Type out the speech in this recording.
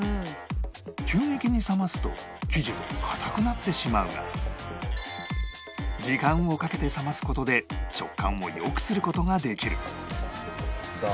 急激に冷ますと生地は硬くなってしまうが時間をかけて冷ます事で食感を良くする事ができるさあ。